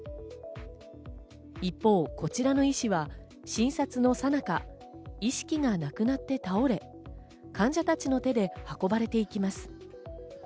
一方、こちらの医師は診察のさなか、意識がなくなって倒れ、患者たちの手で運ばれていきます。